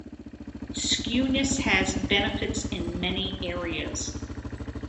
Skewness has benefits in many areas.